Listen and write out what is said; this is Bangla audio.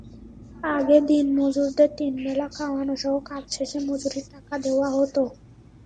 আগে দিনমজুরদের তিন বেলা খাওয়ানোসহ কাজ শেষে মজুরির টাকা দেওয়া হতো।